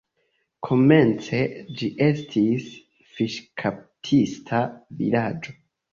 Komence ĝi estis fiŝkaptista vilaĝo.